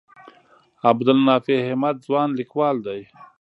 عبدالنافع همت ځوان لیکوال دی.